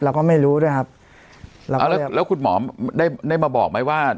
เราก็ไม่รู้ด้วยครับเอาแล้วแล้วคุณหมอได้ได้มาบอกไหมว่า